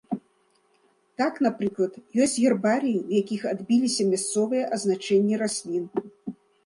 Так, напрыклад, ёсць гербарыі, у якіх адбіліся мясцовыя азначэнні раслін.